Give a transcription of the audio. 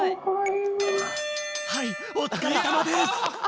はいおつかれさまです。